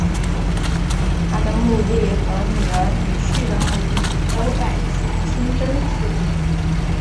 她的墓地和女儿女婿的墓地都在此清真寺。